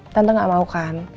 tante gak mau kan